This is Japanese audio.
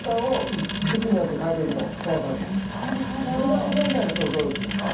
１０月現在だとどうですか？